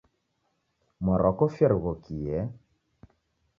Mwarwa kofia righokie